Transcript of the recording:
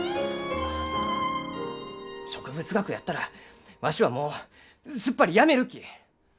植物学やったらわしはもうすっぱりやめるき！